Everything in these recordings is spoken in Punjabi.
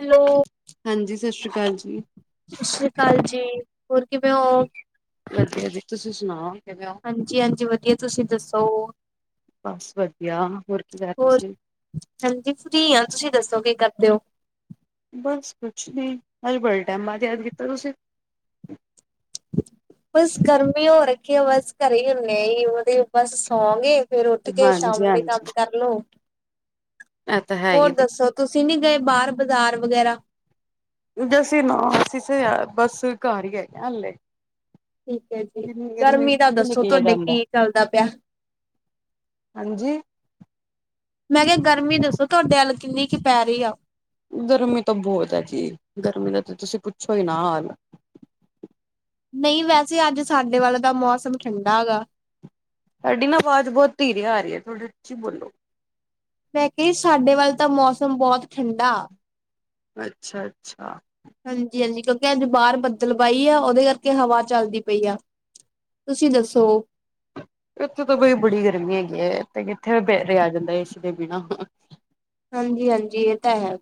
ਹੈਲੋ, ਹਾਂਜੀ, ਸਤਿ ਸ਼੍ਰੀ ਅਕਾਲ ਜੀ। ਸਤਿ ਸ੍ਰੀ ਅਕਾਲ ਜੀ। ਹੋਰ, ਕਿਵੇਂ ਹੋ? ਵਧੀਆ ਜੀ, ਤੁਸੀਂ ਸੁਣਾਓ, ਕਿਵੇਂ ਓ? ਹਾਂਜੀ-ਹਾਂਜੀ, ਵਧੀਆ, ਤੁਸੀਂ ਦੱਸੋ? ਬਸ ਵਧੀਆ, ਹੋਰ ਕੀ ਕਰ ਰਹੇ, ਹੋਰ ਤੁਸੀਂ? ਹਾਂਜੀ, ਫ੍ਰੀ ਆਂ, ਤੁਸੀਂ ਦੱਸੋ ਕੀ ਕਰਦੇ ਓ? ਬਸ ਕੁਛ ਨੀ, ਅੱਜ ਬੜੇ ਟੈਮ ਬਾਅਦ ਯਾਦ ਕੀਤਾ ਤੁਸੀ। ਬਸ ਗਰਮੀ ਹੋ ਰੱਖੀ, ਬਸ ਘਰੇ ਹੀ ਹੁੰਦੇੇ ਆ, ਉਹਦੇ ਬਸ ਸੌਗੇ ਫਿਰ ਉੱਠਕੇ, ਸ਼ਾਮ ਹਾਂਜੀ ਦੇ ਹਾਂਜੀ ਕੰਮ ਕਰਲੋ। ਇਹ ਤਾਂ ਹੈ ਹੋਰ ਹੀ ਦੇ ਦੱਸੋ? ਤੁਸੀਂ ਨੀ ਗਏ ਬਾਹਰ ਬਾਜ਼ਾਰ ਵਗੈਰਾ? ਦਸੀਂ ਨਾ ਅਸੀ ਬਸ ਘਰ ਹੀ ਹੈਗੇ ਹਾਲੇ, ਠੀਕ ਹੈ ਜੀ, ਇੰਨੀ ਚ ਗਰਮੀ ਦਾ ਕਿੱਥੇ ਦੱਸੋ ਨਿਕਲਿਆ ਤੁਹਾਡੇ ਜਾਂਦਾ ਕੀ ਚੱਲਦਾ ਪਿਆ? ਹਾਂਜੀ, ਮੈਂ ਕਿਹਾ ਗਰਮੀ ਦੱਸੋ ਤੁਹਾਡੇ ਅੱਲ ਕਿੰਨੀ ਕੁ ਪੈ ਰਹੀ ਆ? ਗਰਮੀ ਤਾਂ ਬਹੁਤ ਹੈ, ਜੀ ਗਰਮੀ ਦਾ ਤਾਂ ਤੁਸੀਂ ਪੁੱਛੋ ਹੀ ਨਾ ਨਹੀਂ ਵੈਸੇ ਅੱਜ ਸਾਡੇ ਵਾਲੇ ਤਾਂ ਮੌਸਮ ਠੰਡਾ ਹੈਗਾ। ਸਾਡੀ ਨਾ ਆਵਾਜ਼ ਬਹੁਤ ਧੀਰ ਆ ਰਹੀ ਹੈ ਥੋੜਾ ਉਚੀ ਬੋਲੋ, ਮੈਂ ਕਿਹਾ ਸਾਡੇ ਵੱਲ ਤਾਂ ਮੌਸਮ ਬਹੁਤ ਠੰਡਾ, ਅੱਛਾ, ਅੱਛਾ, ਹਾਂਜੀ-ਹਾਂਜੀ, ਕਿਉਂਕਿ ਅੱਜ ਬਾਹਰ ਬੱਦਲ ਬਾਈ ਆ ਉਹਦੇ ਕਰਕੇ ਹਵਾ ਚੱਲਦੀ ਪਈ ਆ। ਤੁਸੀਂ ਦੱਸੋ? ਉੱਥੇ ਤਾਂ ਕੋਈ ਬੜੀ ਗਰਮੀ ਹੈਗੀ ਹੈ, ਤੇ ਕਿੱਥੇ ਬੇ ਰਿਹਾ ਆ ਜਾਂਦਾ ਏਸੀ ਦੇ ਬਿਨਾਂ। ਹਾਂਜੀ-ਹਾਂਜੀ ਇਹ ਤਾਂ ਹੈ।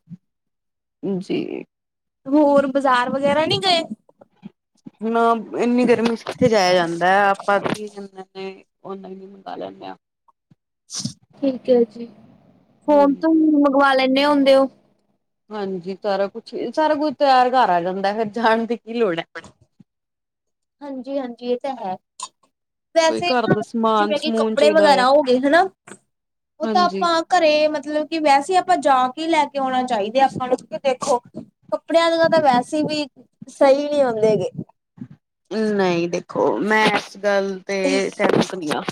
ਜੀ, ਹੋਰ ਬਾਜ਼ਾਰ ਵਗੈਰਾ ਨਹੀਂ ਗਏ। ਹ ਇੰਨੀ ਗਰਮੀ ਚ ਕਿੱਥੇ ਜਾਇਆ ਜਾਂਦਾ ਹੈ, ਆਪਾਂ ਵੀ ਕਦੇ [unintelligible] ਠੀਕ ਹੈ, ਜੀ ਫੋਨ ਤੋਂ ਹਾਂਜੀ ਮੰਗਵਾ ਲੈਂਦੇ ਹੁੰਦੇ ਹੋ। ਹਾਂਜੀ ਸਾਰਾ ਕੁਛ ਸਾਰਾ ਕੁਝ ਤਿਆਰ ਘਰ ਆ ਜਾਂਦਾ, ਫੇਰ ਜਾਣ ਦੀ ਕੀ ਲੋੜ ਹੈ। ਹਾਂਜੀ-ਹਾਂਜੀ ਇਹ ਤਾਂ ਹੈ। ਕੋਈ ਵੈਸੇ ਘਰ ਦਾ ਸਮਾਨ ਜਿਵੇਂ ਕਿ ਸਮੂਨ ਕੱਪੜੇ ਚਾਹੀਦਾ ਹੈ ਵਗੈਰਾ ਹੋ ਗਏ ਹਨਾ। ਉਹ ਤਾਂ ਹਾਂਜੀ ਆਪਾਂ, ਘਰੇ ਮਤਲਬ ਕਿ ਵੈਸੇ ਆਪਾਂ ਜਾ ਕੇ ਲੈ ਕੇ ਆਉਣਾ ਚਾਹੀਦਾ, ਆਪਾਂ ਨੂੰ ਕਿ ਦੇਖੋ। ਕੱਪੜਿਆਂ ਦੀਆਂ, ਤਾਂ ਵੈਸੇ ਵੀ ਸਹੀ ਨਹੀਂ ਹੁੰਦੇ ਗੇ। ਨਹੀਂ ਦੇਖੋ, ਮੈਂ ਇਸ ਗੱਲ ਤੇ ਸਹਿਮਤ ਨੀ ਆ।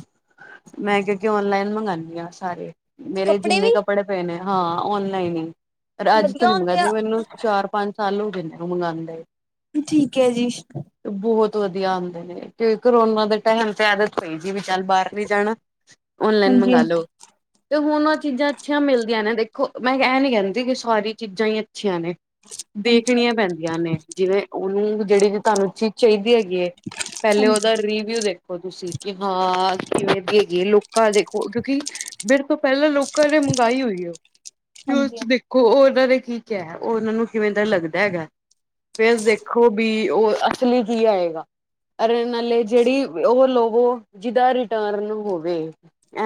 ਮੈਂ ਕਿਉਂਕਿ ਔਨਲਾਈਨ ਮੰਗਾਨੀ ਆ ਹਾਂ, ਸਾਰੇ ਮੇਰੇ ਜਿੰਨੇ ਕੱਪੜੇ ਪਏ ਨੇ ਹਾਂ ਔਨਲਾਈਨ ਹੀ ਪਰ ਅੱਜ ਤੋਂ ਵਧੀਆ ਨੀ ਹੁੰਦੇ ਮੰਗ ਆ ਦੇ ਮੈਨੂੰ ਚਾਰ ਪੰਜ ਸਾਲ ਹੋਗੇ ਮੰਗਾਦੇ, ਠੀਕ ਹੈ ਜੀ, ਬਹੁਤ ਵਧੀਆ ਆਉਂਦੇ, ਨੇ ਕਿ ਕਰੋਨਾ ਦੇ ਟਾਈਮ ਤੇ। ਕੋਈ ਜੀ ਵੀ ਚੱਲ ਬਾਹਰ ਨੀ ਜਾਣਾ, ਔਨਲਾਈਨ ਹਾਂਜੀ-ਹਾਂਜੀ, ਮੰਗਾਲੋ। ਤੇ ਹੁਣ ਉਹ ਚੀਜ਼ਾਂ ਅੱਛੀਆਂ ਮਿਲਦੀਆਂ ਨੇ ਦੇਖੋ, ਮੈਂ ਇਹ ਨੀ ਕਹਿੰਦੀ ਕਿ ਸਾਰੀ ਚੀਜ਼ਾਂ ਹੀ ਅੱਛੀਆਂ ਨੇ। ਹਾਂਜੀ-ਹਾਂਜੀ, ਦੇਖਣੀਆਂ ਪੈਂਦੀਆਂ ਨੇ ਜਿਵੇਂ ਉਹਨੂੰ ਜਿਹੜੀ ਤੁਹਾਨੂੰ ਚੀਜ਼ ਚਾਹੀਦੀ ਹੈਗੀ। ਪਹਿਲੇ ਉਹਦਾ ਰੀਵਿਊ ਦੇਖ ਖੋ ਤੁਸੀਂ ਕਿ ਹਾਂ ਕਿਵੇਂ, ਅੱਗੇ ਗੇ ਲੋਕਾਂ ਦੇਖੋ ਕਿਉਂਕਿ ਮੇਰੇ ਤੋਂ ਪਹਿਲਾਂ ਲੋਕ ਘਰੇ ਮੰਗਾਈ ਹੋਈ ਉਹ ਹਾਂਜੀ-ਹਾਂਜੀ। [unintelligible] ਘੋ ਉਹ ਉਹਨਾਂ ਨੇ ਕੀ ਕਿਹਾ ਉਹ ਉਹਨਾਂ ਨੂੰ ਕਿਵੇਂ ਦਾ ਲੱਗਦਾ ਹੈਗਾ ਫਿਰ ਦੇਖੋ ਵੀ ਉਹ। ਅਸਲੀ ਕੀ ਆਏਗਾ। ਅਰੇ ਨਾਲੇ ਜਿਹੜੀ ਉਹ ਲਵੋ ਜਿਹਦਾ ਰਿਟਰਨ ਹੋਵੇ।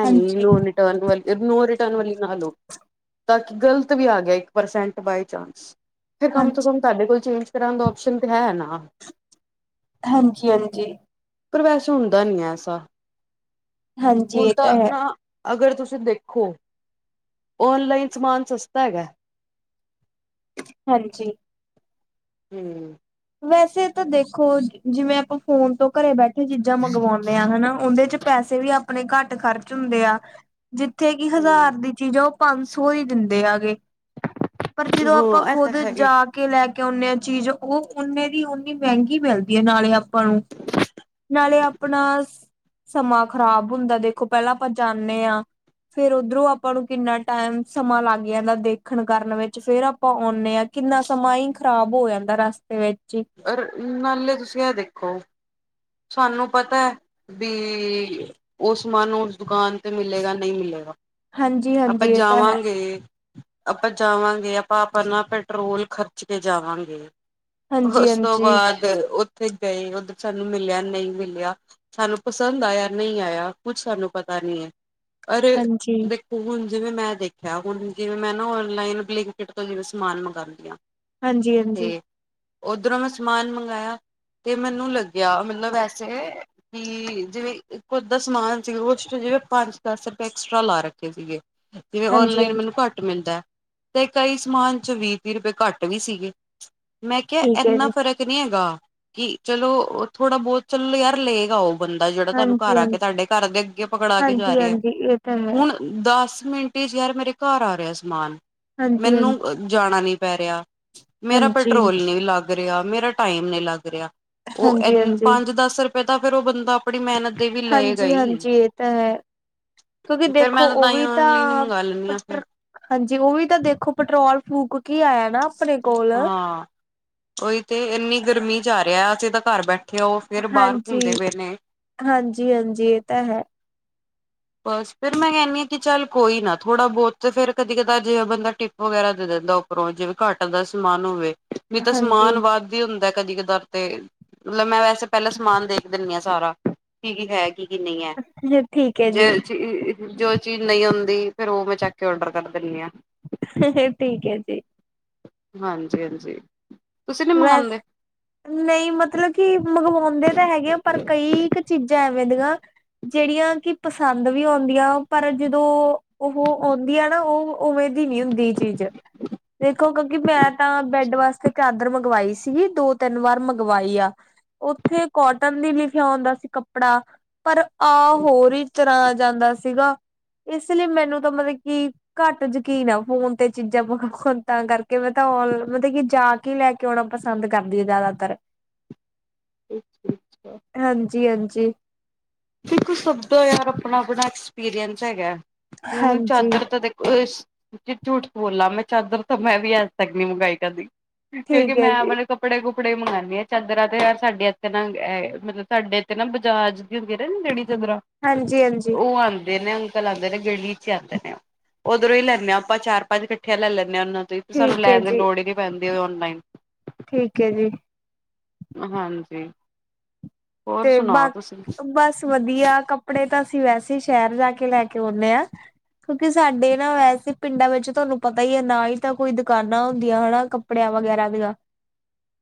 ਐਵੇਂ ਹਾਂਜੀ, ਨੋ ਨੋ ਰਿਟਰਨ ਵਾਲੀ ਨੋ ਰਿਟਰਨ ਵਾਲੀ ਨਾ ਲਓ। ਤਾਂ ਕਿ ਗ਼ਲਤ ਵੀ ਆ ਗਿਆ, ਇੱਕ ਪਰਸੈਂਟ ਬਾਏ ਚਾਂਸ ਫਿਰ ਕਮ ਤੋਂ ਹਾਂਜੀ, ਕਮ ਤੁਹਾਡੇ ਕੋਲ ਚੇਂਜ ਕਰਾਂਨ ਦਾ ਓਪਸ਼ਨ ਤੇ ਹੈ ਨਾ, ਹਾਂਜੀ, ਹਾਂਜੀ, ਪਰ ਵੈਸੇ ਹੁੰਦਾ ਨੀ ਹੈ, ਐਸਾ ਹਾਂਜੀ ਹੁਣ ਇਹ ਤਾਂ ਹੈ, ਨਾ, ਅਗਰ ਤੁਸੀਂ ਦੇਖੋ, ਔਨਲਾਈਨ ਸਮਾਨ ਸਸਤਾ ਹੈਗਾ। ਹਾਂਜੀ, ਹੂੰ, ਵੈਸੇ ਤਾਂ ਦੇਖੋ, ਜਿਵੇਂ ਆਪਾਂ ਫੋਨ ਤੋਂ ਘਰੇ ਬੈਠੇ ਚੀਜ਼ਾਂ ਮੰਗਵਾਉਂਦੇ ਆ ਹਨਾ ਉਹਦੇ ਚ ਪੈਸੇ ਵੀ ਆਪਣੇ ਘੱਟ ਖਰਚ ਹੁੰਦੇ ਆ, ਜਿੱਥੇ ਕਿ ਹਜ਼ਾਰ ਦੀ। ਚੀਜ਼ਾਂ ਉਹ ਪੰਜ ਸੌ ਹੀ ਦਿੰਦੇ ਹੈਗੇ, ਪਰ ਜਦੋਂ ਆਪਾਂ ਹਾਂ ਇਹ ਤਾਂ ਖੁਦ ਹੈ ਹੀ ਜਾ ਕੇ ਕੇ ਲੈ ਕੇ ਆਉਨੇ ਆ ਚੀਜ਼ ਉਹ ਓਨੇ ਦੀ ਓਨੀ ਮਹਿੰਗੀ ਮਿਲਦੀ ਹੈ ਨਾਲੇ ਆਪਾਂ ਨੂੰ। ਨਾਲੇ ਆਪਣਾ ਸਮਾਂ ਖ਼ਰਾਬ ਹੁੰਦਾ ਦੇਖੋ ਪਹਿਲਾਂ ਆਪਾਂ ਜਾਂਦੇ ਹਾਂ। ਫੇਰ ਉੱਧਰੋਂ ਆਪਾਂ ਨੂੰ ਕਿੰਨਾ ਟਾਈਮ ਸਮਾਂ ਲੱਗ ਜਾਂਦਾ ਦੇਖਣ ਕਰਨ ਵਿੱਚ ਫੇਰ ਅ। ਪਾ ਆਉਂਦੇ ਆ ਕਿੰਨਾ ਸਮਾਂ ਹੀ ਖ਼ਰਾਬ ਹੋ ਜਾਂਦਾ ਰਸਤੇ ਵਿੱਚ ਹੀ। ਅ ਨਾਲੇ ਤੁਸੀਂ ਇਹ ਦੇਖੋ ਸਾਨੂੰ ਪਤਾ ਹੈ। ਵੀ ਉਹ ਸਮਾਨ ਸਾਨੂੰ ਉਸ ਦੁਕਾਨ ਤੇ ਮਿਲੇਗਾ ਨਹੀਂ ਮਿਲੇਗਾ। ਹਾਂਜੀ ਆਪਾਂ ਹਾਂਜੀ ਇਹ ਤਾਂ ਹੈ ਜਾਵਾਂਗੇ। ਆਪਾਂ ਜਾਵਾਂਗੇ ਆਪਾਂ ਆਪਣਾ ਪੈਟਰੋਲ ਖਰਚ ਕੇ ਜਾਵਾਂਗੇ। ਹਾਂਜੀ ਉਸ ਤੋਂ ਹਾਂਜੀ ਬਾਅਦ ਉੱਥੇ ਗਏ ਉੱਧਰ ਸਾਨੂੰ ਮਿਲਿਆ ਨਹੀਂ ਮਿਲਿਆ। ਸਾਨੂੰ ਪਸੰਦ ਆਇਆ ਨਹੀਂ ਆਇਆ ਕੁੱਛ ਸਾਨੂੰ ਪਤਾ ਨੀ ਹੈ ਅਰੇ। ਹਾਂਜੀ ਹੁਣ ਜਿਵੇਂ ਮੈਂ ਦੇਖਿਆ ਹੁਣ ਜਿਵੇਂ ਮੈਂ ਨਾ ਆਨਲਾਈਨ ਬਲਿੰਕਟ ਤੋਂ ਜਿਵੇਂ ਸਮਾਨ ਮੰਗਵਾਉਂਦੀ ਹਾਂ। ਹਾਂਜੀ ਹਾਂਜੀ। ਤੇ ਓਧਰੋਂ ਮੈਂ ਸਮਾਨ ਮੰਗਵਾਇਆ ਤੇ ਮੈਨੂੰ ਲੱਗਿਆ ਮਤਲਬ ਵੈਸੇ। ਕਿ ਜਿਵੇਂ ਇਕ ਅੱਧਾ ਸਮਾਨ ਸੀ ਉਸ ਚ ਜਿਵੇਂ ਪੰਜ ਦਸ ਰੁਪਏ ਐਕਸਟਰਾ ਲਾ ਰੱਖੇ ਸੀਗੇ। ਜਿਵੇਂ ਹਾਂਜੀ ਔਨਲਾਈਨ ਹਾਂਜੀ ਮੈਨੂੰ ਘੱਟ ਮਿਲਦਾ। ਤੇ ਕਈ ਸਮਾਨ ਚ ਵੀਹ ਤੀਹ ਰੁਪਏ ਘੱਟ ਵੀ ਸੀਗੇ ਮੈਂ ਕਿਹਾ ਠੀਕ ਹੈ ਇਨਾ ਜੀ ਫਰਕ। ਨਹੀਂ ਹੈਗਾ ਕਿ ਚਲੋਉਹ ਥੋੜਾ ਬਹੁਤ ਚਲੋ ਯਾਰ ਲਏਗਾ ਉਹ ਬੰਦਾ ਜਿਹੜਾ ਤੁਹਾਨੂੰ ਘਰ ਹਾਂਜੀ ਆ ਹਾਂਜੀ ਕੇ ਤੁਹਾਡੇ ਘਰ ਦੇ ਅੱਗੇ ਪਕੜਾ ਕੇ ਜਾ ਹਾਂਜੀ ਰਿਹਾ। ਹਾਂਜੀ ਇਹ ਤਾਂ ਹੈ ਹੁਣ ਦਸ ਮਿੰਟ ਵਿੱਚ ਹੀ ਯਾਰ ਮੇਰੇ ਘਰ ਆ ਰਿਹਾ ਸਮਾਨ। ਹਾਂਜੀ ਹਾਂਜੀ ਮੈਨੂੰ ਜਾਣਾ ਨੀ ਪੈ ਰਿਹਾ ਮੇਰਾ ਹਾਂਜੀ ਪੈਟਰੋਲ ਨਹੀਂ ਲੱਗ। ਲੱਗ ਰਿਹਾ ਮੇਰਾ ਟਾਈਮ ਨੀ ਲੱਗ ਰਿਹਾ ਉਹ ਹਾਂਜੀ ਹਾਂਜੀ ਪੰਜ ਦਸ ਰੁਪਏ ਤਾਂ ਫੇਰ ਉਹ ਬੰਦਾ। ਆਪਣੀ ਮਿਹਨਤ ਦੇ ਵੀ ਲਏਗਾ ਹਾਂਜੀ ਹੀ ਹਾਂਜੀ ਇਹ ਤਾਂ ਹੈ। ਤੁਸੀਂ ਫੇਰ ਮੈਂ ਦੇਖੋ ਤਾਂ ਉਹ ਤਾਂਹੀ ਵੀ ਤਾਂ ਔਨਲਾਈਨ ਹੀ ਮੰਗਵਾ ਲੈਂਦੀ ਹਾਂ ਫਿਰ ਪਟਰ। ਹਾਂਜੀ ਉਹ ਵੀ ਤਾਂ ਦੇਖੋ ਪੈਟਰੋਲ ਫੂਕ ਕੇ ਆਇਆ ਨਾ। ਆਪਣੇ ਕੋਲ ਹਾਂ, ਉਹੀ ਤੇ ਇੰਨੀ ਗਰਮੀ ਜਾ ਰਿਹਾ ਅਸੀਂ ਤਾਂ ਘਰ ਬੈਠੇ। ਤੇ ਉਹ ਫੇਰ ਬਾਹਰ ਘੁੰਮਦੇ ਹਾਂਜੀ ਪਏ ਨੇ। ਹਾਂਜੀ ਹਾਂਜੀ ਇਹ ਤਾਂ ਹੈ। ਬਸ ਫਿਰ ਮੈਂ ਕਹਿੰਦੀ ਹਾਂ ਕਿ ਚੱਲ ਕੋਈ ਨਾ ਥੋੜ੍ਹਾ ਬਹੁਤ ਫੇਰ ਕਦੀ ਕਦਾ ਜਿਹਾ ਬੰਦਾ ਟਿਪ ਵਗੈਰਾ ਦੇ ਦਿੰਦਾ ਉਹ। ਉਪਰੋਂ ਜਿਵੇਂ ਘੱਟ ਦਾ ਸਮਾਨ ਹੋਵੇ ਵੀ ਤਾਂ ਹਾਂਜੀ ਸਮਾਨ ਵੱਧ ਹੀ ਹੁੰਦਾ ਕਦੀ ਕਧਾਰ ਤੇ। ਮਤਲਬ ਮੈਂ ਵੈਸੇ ਪਹਿਲਾਂ ਸਮਾਨ ਦੇਖ ਦਿੰਦੀ ਹਾਂ ਸਾਰਾ ਕੀ ਕੀ ਹੈ ਕੀ ਕੀ ਨਹੀਂ ਹੈ। ਜੇ। ਜੇ ਚੀਜ਼ ਜੋ ਚੀਜ਼ ਨਹੀਂ ਆਉਂਦੀ ਫੇਰ ਉਹ ਮੈਂ ਚੱਕ ਕੇ ਔਡਰ ਕਰ ਦਿੰਦੀ ਹਾਂ। ਠੀਕ ਹੈ ਜੀ। ਹਾਂਜੀ ਹਾਂਜੀ ਤੁਸੀਂ ਨੀ ਵੈਸ ਮੰਗਵਾਉਂਦੇ? ਨਹੀਂ ਮਤਲਬ ਕਿ ਮੰਗਵਾਉਂਦੇ ਤਾਂ ਹੈਗੇ ਆ ਪਰ ਕਈ ਕੁ ਚੀਜ਼ਾਂ ਐਵੇਂ ਦੀਆਂ। ਜਿਹੜੀਆਂ ਕਿ ਪਸੰਦ ਵੀ ਹੁੰਦੀਆ ਪਰ ਜਦੋਂ ਉਹ ਆਉਂਦੀਆਂ ਨਾ ਉਹ। ਉਵੇਂ ਦੀ ਨਹੀਂ ਹੁੰਦੀ ਇਹ ਚੀਜ਼ ਦੇਖੋ ਕਿਉਂਕਿ ਮੈਂ ਤਾਂ ਬੈੱਡ ਵਾਸਤੇ ਚਾਦਰ। ਮੰਗਵਾਈ ਸੀਗੀ ਦੋ ਤਿੰਨ ਵਾਰ ਮੰਗਵਾਈ ਆ। ਉੱਥੇ ਕੋਟਨ ਦੀ ਲਿਖਿਆ ਹੁੰਦਾ ਸੀ ਕੱਪੜਾ ਪਰ ਆਹ ਹੋਰ ਹੀ ਤਰ੍ਹਾਂ ਜਾਂਦਾ ਸੀਗਾ ਇਸ ਲਈ ਮੈਨੂੰ ਤਾਂ ਮਤਲਬ ਕੀ ਘੱਟ ਯਕੀਨ ਆ ਫੋਨ ਤੇ ਚੀਜ਼ਾਂ ਮੰਗਵਾਉਣ ਤਾਂ ਕਰਕੇ ਮੈਂ ਤਾਂ ਮਤਲਬ ਕਿ ਜਾ ਕੇ ਲੈ ਕੇ। ਜਾਉਣਾ ਪਸੰਦ ਕਰਦੀ ਹੈ ਜ਼ਿਆਦਾਤਰ। ਹਾਂਜੀ ਹਾਂਜੀ। ਦੇਖੋ ਸਭ ਦਾ ਯਾਰ ਆਪਣਾ ਆਪਣਾ ਐਕਸਪੀਰੀਅੰਸ ਹੈਗਾ। ਹੁਣ ਹਾਂਜੀ ਚਾਦਰ ਤਾਂ ਦੇਖੋ। ਜੀ ਝੂਠ ਬੋਲਾਂ ਮੈਂ ਚਾਦਰ ਤਾਂ ਮੈਂ ਵੀ ਅੱਜ ਤੱਕ ਨਹੀਂ ਮੰਗਵਾਈ ਕਦੀ। ਕਿਉਂਕਿ ਠੀਕ ਮੈਂ ਹੈ ਜੀ ਆਪਣੇ ਕੱਪੜੇ ਕੁੱਪੜੇ ਮੰਗਉਂਦਾਂ ਚਾਦਰਾਂ ਤੇ ਯਾਰ ਸਾਡੇ ਇੱਥੇ ਨਾ ਮਤਲਬ ਸਾਡੇ ਇੱਥੇ ਨਾ ਬਜਾਰ। ਹੁੰਦੇ ਨੀ ਰੇੜੀ ਤੇ ਚੰਦਰਾ ਹਾਂਜੀ ਹਾਂਜੀ ਉਹ ਆਉਂਦੇ ਨੇ। ਲਾਉਂਦੇ ਨੇ ਗਲੀ ਚ ਆਉਂਦੇ ਨੇ ਉਹ ਓਧਰੋਂ ਹੀ ਲੈਂਦੇ ਹਾਂ ਆਪਾਂ ਚਾਰ ਪੰਜ ਇਕੱਠੀਆਂ ਲੈ ਲੈਂਦੇ ਹਾਂ ਉਹਨਾਂ ਤੋਂ। ਸਾਨੂੰ ਠੀਕ ਹੈ ਲੈਣ ਦੀ ਜੀ ਲੋੜ ਹੀ ਨੀ ਪੈਂਦੀ ਔਨਲਾਈਨ। ਠੀਕ ਹੈ ਜੀ। ਹਾਂਜੀ। ਹੋਰ ਤੇ ਸੁਣਾਓ ਬਾਕ ਤੁਸੀਂ? ਬਸ ਵਧੀਆ, ਕੱਪੜੇ ਤਾਂ ਅਸੀਂ ਵੈਸੇ ਸ਼ਹਿਰ ਜਾ ਕੇ ਲੈ ਕੇ ਆਉਦੇ ਹਾਂ। ਕਿਉਂਕਿ ਸਾਡੇ ਨਾ ਵੈਸੇ ਪਿੰਡਾਂ ਵਿੱਚ ਤੁਹਾਨੂੰ ਪਤਾ ਹੀ ਹੈ ਨਾ ਹੀ ਤਾਂ ਕੋਈ ਦੁਕਾਨਾਂ ਹੁੰਦੀਆਂ ਹਨਾ। ਕੱਪੜਿਆਂ ਵਗੈਰਾ ਦੀਆਂ,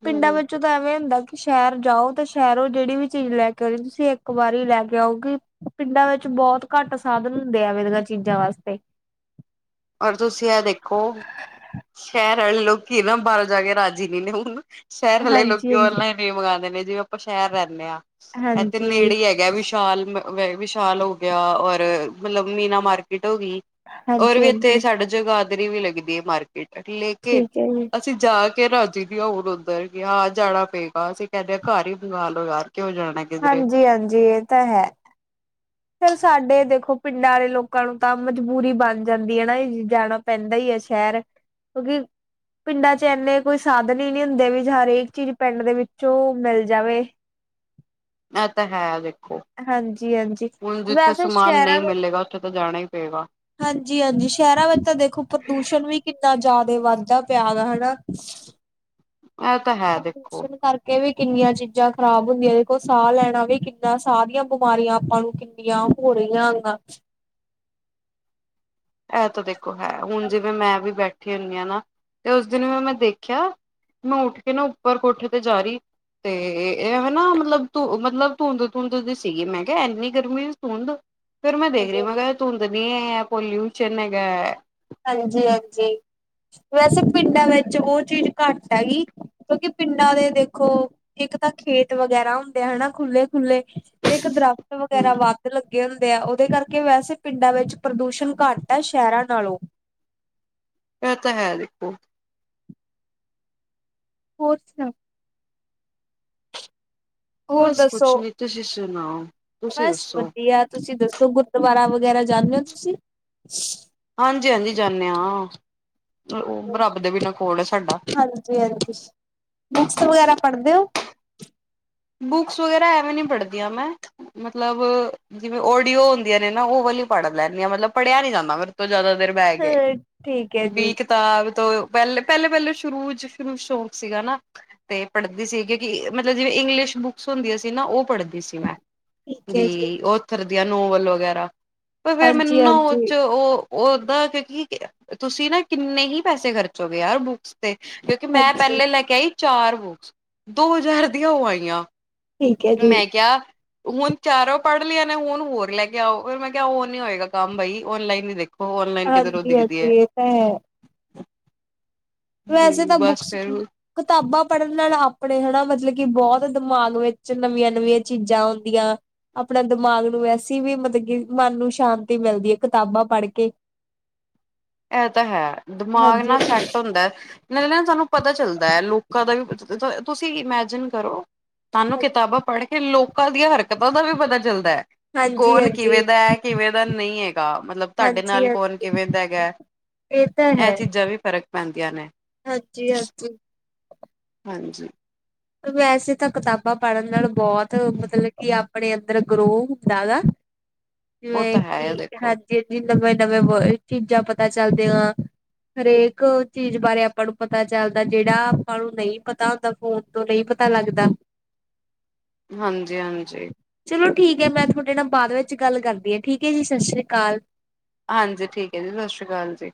ਪਿੰਡਾਂ ਹੂੰ-ਹੂੰ, ਵਿੱਚੋਂ ਤਾਂ ਐਵੇਂ ਹੁੰਦਾ ਕਿ ਸ਼ਹਿਰ ਜਾਓ ਤਾਂ ਸ਼ਹਿਰੋਂ ਜਿਹੜੀ ਵੀ ਚੀਜ਼ ਲੈ ਕੇ ਆਉਣੀ ਤੁਸੀਂ ਇੱਕ ਵਾਰੀ ਲੈ ਕੇ ਆਉਗੀ। ਪਿੰਡਾਂ ਵਿੱਚ ਬਹੁਤ ਘੱਟ ਸਾਧਨ ਹੁੰਦੇ ਆ ਵ ਚੀਜ਼ਾਂ ਵਾਸਤੇ। ਪਰ ਤੁਸੀਂ ਇਹ ਦੇਖੋ ਸ਼ਹਿਰ ਵਾਲੇ ਲੋਕੀ ਨਾ ਬਾਹਰੋਂ ਜਾ ਕੇ ਰਾਜੀ ਨਹੀਂ ਹੁੰਦੇ- ਸ਼ਹਿਰ ਵਾਲੇ ਹਾਂਜੀ ਲੋਕੀ ਹਾਂਜੀ ਔਨਲਾਈਨ ਈ ਮੰਗਵਾਉਂਦੇ ਨੇ ਜਿਵੇਂ ਆਪਾਂ ਸ਼ਹਿਰ ਰਹਿੰਦੇ ਹਾਂ ਇੱਥੇ ਹਾਂਜੀ ਨੇੜੇ ਹੀ ਹੈਗੇ। ਵਿਸ਼ਾਲ ਵਿਸ਼ਾਲ ਹੋ ਗਿਆ ਔਰ ਮਤਲਬ ਮੀਨਾ ਮਾਰਕੀਟ ਹੋ ਗਈ। ਹੋਰ ਹਾਂਜੀ ਵੀ ਇੱਥੇ ਹਾਂਜੀ ਸਾਡਾ ਜਗਾਦਰੀ ਵੀ ਲੱਗਦੀ ਹੈ ਮਾਰਕੀਟ ਲੇਕਿਨ ਠੀਕ ਹੈ ਜੀ ਅਸੀਂ ਜਾ ਕੇ ਰਾਜੀ ਦੀ ਹਲ ਉੱਧਰ ਗ ਆਹ ਜਾਣਾ ਪਏਗਾ ਅਸੀਂ ਕਹਿਿੰਦੇ ਹ ਘਰ ਹੀ ਬੰਗਾਲ ਉਗਾ ਕੇਂ ਜਾਣਾ। ਕਿਧਰੇ ਹਾਂਜੀ ਹਾਂਜੀ ਇਹ ਤਾਂ ਹੈ। ਫਿਰ ਸਾਡੇ ਦੇਖੋ ਪਿੰਡਾਂ ਵਾਲੇ ਲੋਕਾਂ ਨੂੰ ਤਾਂ ਮਜਬੂਰੀ ਬਣ ਜਾਂਦੀ ਹੈ ਨਾ ਇਹਜ਼ਣਾ ਪੈਂਦਾ ਹੀ ਹੈ ਸ਼ਹਿਰ ਕਿਉਂਕਿ ਪਿੰਡਾਂ 'ਚ ਇੰਨੇ ਕੋਈ ਸਾਧਨ ਹੀ ਨਹੀਂ ਹੁੰਦੇ ਵੀ ਹਰੇਕ ਚੀਜ਼ ਪਿੰਡ ਦੇ ਵਿੱਚੋਂ ਮਿਲ ਜਾਵੇ। ਇਹ ਤਾਂ ਹੈ ਦੇਖੋ। ਹਾਂਜੀ-ਹਾਂਜੀ। ਹੁਣ ਜਿੱਥੇ ਵੈਸੇ ਸਮਾਨ ਨਹੀਂ ਮਿਲੇਗਾ ਉੱਥੇ ਤਾਂ ਜਾਣਾ ਹੀ ਪਏਗਾ। ਹਾਂਜੀ ਹਾਂਜੀ ਸ਼ਹਿਰਾਂ ਵਿੱਚ ਤਾਂ ਦੇਖੋ ਪ੍ਰਦੂਸ਼ਣ ਵੀ ਕਿੰਨਾ ਜ਼ਿਆਦਾ ਵੱਧਦਾ ਪਿਆ ਵਾ ਹਨਾ। ਇਹ ਤਾਂ ਹੈ ਦੇਖੋ ਪ੍ਰਦੂਸ਼ਣ ਕਰਕੇ ਕਿ ਵੀ ਕਿੰਨੀਆਂ ਚੀਜ਼ਾਂ ਖ਼ਰਾਬ ਹੁੰਦੀਆਂ ਦੇਖੋ ਸਾਹ ਲੈਣਾ ਵੀ ਕਿੰਨਾ ਸਾਹ ਦੀਆਂ ਬਿਮਾਰੀਆਂ ਆਪਾਂ ਨੂੰ ਜਾਂ ਭੜੀਆਂਗਾ। ਇਹ ਤਾਂ ਦੇਖੋ ਹੈ ਹੁਣ ਜਿਵੇਂ ਮੈਂ ਵੀ ਬੈਠੀ ਹੁੰਦੀ ਹਾਂ ਨਾ ਤੇ ਉਸ ਦਿਨ ਵੀ ਮੈਂ ਦੇਖਿਆ ਮੈਂ ਉੱਠ ਕੇ ਨਾ ਉੱਪਰ ਕੋਠ ਤੇ ਜਾ ਰਹੀ। ਤੇ ਇਹ ਐਵੇਂ ਨਾ ਮਤਲਬ ਧ ਮਤਲਬ ਧੁੰਦ ਧੁੰਦ ਦੀ ਸੀਗੀ ਮੈਂ ਕਿਹਾ ਇੰਨੀ ਗਰਮੀ 'ਚ ਧੁੰਦ ਫੇਿਰ ਮੈਂ ਦੇਖ ਰਹੀ ਮੈਂ ਕਿਹਾ ਤੂੰ ਤਾਂ ਨੀ ਹੈ ਪੋਲਿਊਸ਼ਨ ਹੈਗਾ। ਹਾਂਜੀ ਹਾਂਜੀ ਵੈਸੇ ਪਿੰਡਾਂ ਵਿੱਚ ਉਹ ਚੀਜ਼ ਘੱਟ ਹੈਗੀ। ਕਿਉਂਕਿ ਪਿੰਡਾਂ ਦੇ ਦੇਖੋ ਇੱਕ ਤਾਂ ਖੇਤ ਵਗੈਰਾ ਹੁੰਦੇ ਹਨਾ ਖੁੱਲ੍ਹੇ ਖੁੱਲ੍ਹੇ ਇੱਕ ਦਰੱਖਤ ਹੂੰ ਵਗੈਰਾ ਵਾ ਲੱਗੇ ਹੁੰਦੇ ਆ ਉਹਦੇ ਕਰਕੇ ਵੈਸੇ ਪਿੰਡਾਂ ਵਿੱਚ ਪ੍ਰਦੂਸ਼ਣ ਘੱਟ ਹੈ ਸ਼ਹਿਰਾਂ ਨਾਲੋਂ। ਇਹ ਤਾਂ ਹੈ ਦੇਖੋ ਹੋਰ ਸੁਣਾਓ। ਹੋਰ ਬਸ ਕੁਛ ਦੱਸੋ ਨੀ, ਤੁਸੀਂ ਸੁਣਾਓ। ਤੁਸੀਂ ਬਸ ਦੱਸੋ ਵਧੀਆ ਤੁਸੀਂ ਦੱਸੋ ਗੁਰਦੁਆਰਾ ਵਗੈਰਾ ਜਾਂਦੇ ਹੋ ਤੁਸੀਂ। ਹਾਂਜੀ ਹਾਂਜੀ ਜਾਂਦੇ ਹਾਂ ਉਹ ਰੱਬ ਦੇ ਬਿਨਾਂ ਕੋਲ ਸਾਡਾ। ਹਾਂਜੀ ਹਾਂਜੀ ਬੁੱਕਸ ਵਗੈਰਾ ਪੜ੍ਹਦੇ ਹੋ ਬੁੱਕਸ ਵਗੈਰਾ ਐਵੇਂ ਨਹੀਂ ਪੜ੍ਹਦੀ ਆਂ ਮੈਂ, ਮਤਲਬ ਜਿਵੇਂ ਓਡੀਓ ਹੁੰਦੀਆਂ ਨੇ ਨਾ ਉਹ ਵੀ ਪੜ੍ਹ ਲੈਂਦੀਆਂ, ਮਤਲਬ ਪੜ੍ਹਿਆ ਨੀ ਜਾਂਦਾ ਮੇਰੇ ਤੋਂ ਜ਼ਿਆਦਾ ਦੇਰ। ਬਹਿ ਗਏ, ਹਾਂ ਠੀਕ ਹੈ ਬੀ ਜੀ ਇਕ ਤਾਂ ਤੋਂ ਪਹਿਲੇ ਪਹਿਲੇ ਪਹਿਲੇ ਸ਼ੁਰੂ ਸ਼ੁਰੂ ਸ਼ੌਕ ਸੀਗਾ ਨਾ ਤੇ ਪੜ੍ਹਦੀ ਸੀਗੀ ਕਿ ਮਤਲਬ ਜਿਵੇਂ ਇੰਗਲਿਸ਼ ਬੁੱਕਸ ਹੁੰਦੀਆਂ ਸੀ ਨਾ ਉਹ ਪੜ੍ਹਦੀ ਸੀ ਮੈਂ ਠੀਕ ਹੈ ਵੀ ਜੀ ਓਥਰ ਦੀਆਂ ਨੋਵਲ ਵਗੈਰਾ। ਪਰ ਫੇਰ ਹਾਂਜੀ ਮੈਨੂੰ ਉਹ ਚ ਹਾਂਜੀ ਉਹ ਉਹ ਓਦਾਂ ਕਿਉਂਕਿ ਤੁਸੀਂ ਨਾ ਕਿੰਨੇ ਹੀ ਪੈਸੇ ਖਰਚੋਗੇ ਯਾਰ ਬੁੱਕ ਕਿਉਂਕਿ ਮੈਂ ਹਾਂਜੀ ਪਹਿਲੇ ਲੈ ਕੇ ਆਈ ਚਾਰ ਬੁੱਕਸ ਦੋ ਹਜ਼ਾਰ ਦੀਆਂ ਉਹ ਆਈਆਂ। ਠੀਕ ਹੈ ਜੀ ਮੈਂ ਕਿਆ। ਹੁਣ ਚਾਰੋਂ ਪੜ੍ਹ ਲਈਆ ਨੇ ਹੁਣ ਹੋਰ ਲੈ ਕੇ ਆਓ ਫ ਮੈਂ ਕਿਹਾ ਉਹ ਨੀ ਹੋਏਗਾ ਕੰਮ ਬਾਈ ਔਨਲਾਈਨ ਨ ਦੇਖ ਉਹ ਔਨਲਾਈਨ ਕਿਧਰ ਉਹ ਹਾਂਜੀ ਦਿਖਦੀ ਹੈ ਹਾਂਜੀ ਇਹ ਤਾਂ ਹੈ ਜੀ ਵੈਸੇ ਤਾਂ ਬਸ ਬੁੱਕਸ ਫਿਰ ਕਿਤਾਬਾਂ ਪੜ੍ਹਨ ਨਾਲ ਆਪਣੇ, ਹੈਨਾ ਮਤਲਬ ਕਿ ਬਹੁਤ ਦਿਮਾਗ ਵਿੱਚ ਨਵੀਆਂ ਨਵੀਆਂ ਚੀਜ਼ਾਂ ਆਉਂਦੀਆਂ। ਆਪਣਾ ਦਿਮਾਗ ਨੂੰ ਵੈਸੀ ਵੀ, ਮਤਲਬ ਕਿ ਮਨ ਨੂੰ ਸ਼ਾਂਤੀ ਮਿਲਦੀ ਹੈ ਕਿਤਾਬਾਂ ਪੜ੍ਹ ਕੇ। ਇਹ ਤਾਂ ਹੈ, ਦਿਮਾਗ ਨਾ ਹਾਂਜੀ। ਸੈੱਟ ਹੁੰਦਾ, ਨਾਲੇ ਨਾ ਸਾਨੂੰ ਪਤਾ ਚੱਲਦਾ ਹੈ, ਲੋਕਾਂ ਦਾ ਵੀ ਤੁਸੀਂ ਇਮੈਜਿਨ ਕਰੋ, ਤੁਹਾਨੂੰ ਕਿਤਾਬਾਂ ਪੜ੍ਹ ਕੇ ਲੋਕਾਂ ਦੀਆਂ ਹਰਕਤਾਂ ਤੋ ਵੀ ਪਤਾ ਚਲਦਾ ਹੈ, ਕੌਣ ਹਾਂਜੀ-ਹਾਂਜੀ, ਕਿਵੇਂ ਦਾ ਹੈ। ਕਿਵੇਂ ਦਾ ਨਹੀਂ ਹੈਗਾ, ਮਤਲਬ ਤੁਹਾਡੇ ਨਾਲ ਕੌਣ ਹਾਂਜੀ-ਹਾਂਜੀ ਕਿਵੇਂ ਦਾ ਹੈਗਾ। ਇਹ ਚੀਜ਼ਾਂ ਵੀ ਫ਼ਰਕ ਪੈਂਦੀਆਂ ਨੇ ਹਾਂਜੀ ਹਾਂਜੀ ਹਾਂਜੀ ਵੈਸੇ ਤਾਂ ਕਿਤਾਬਾਂ ਪੜ੍ਹਨ ਨਾਲ ਬਹੁਤ, ਮਤਲਬ ਕਿ ਆਪਣੇ ਉਧਰ ਗ੍ਰੋਅ ਹੁੰਦਾ ਦਾ, ਉਹ ਤਾਂ ਜਿਵੇਂ ਹੈ ਕਿ ਆ ਦੇਖੋ ਹਜੀ ਜਿ ਨਵੇਂ ਨਵੇਂ ਬਾਰੇ, ਚੀਜ਼ਾਂ ਪਤਾ ਚੱਲਦਿਆਂ। ਹਰੇਕ ਚੀਜ਼ ਬਾਰੇ ਆਪਾਂ ਨੂੰ ਪਤਾ ਚੱਲਦਾ, ਜਿਹੜਾ ਆਪਾਂ ਨੂੰ ਨਹੀਂ ਪਤਾ ਹੁੰਦਾ, ਫੋਨ ਤੋਂ ਨਹੀਂ ਪਤਾ ਲੱਗਦਾ ਹਾਂਜੀ ਹਾਂਜੀ ਚਲੋ ਠੀਕ ਹੈ, ਮੈਂ ਤੁਹਾਡੇ ਨਾਲ ਬਾਅਦ ਵਿੱਚ ਗੱਲ ਕਰਦੀ ਹਾਂ, ਠੀਕ ਹੈ ਜੀ ਸਤਿ ਸ਼੍ਰੀ ਅਕਾਲ। ਹਾਂਜੀ ਠੀਕ ਹੈ ਜੀ, ਸਤਿ ਸ਼੍ਰੀ ਅਕਾਲ ਜੀ।